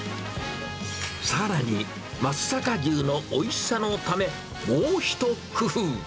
さらに、松阪牛のおいしさのため、もう一工夫。